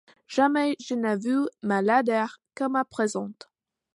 Jamais je n'ai vu ma laideur comme à présent.